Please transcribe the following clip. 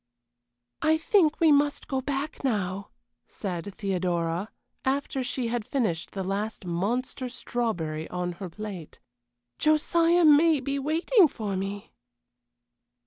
"I think we must go back now," said Theodora, after she had finished the last monster strawberry on her plate. "Josiah may be waiting for me."